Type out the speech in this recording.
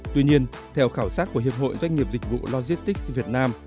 tuy nhiên theo khảo sát của hiệp hội doanh nghiệp dịch vụ logistics việt nam